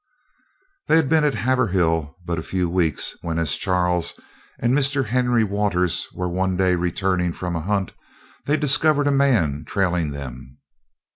They had been at Haverhill but a few weeks, when, as Charles and Mr. Henry Waters were one day returning from a hunt, they discovered a man trailing them.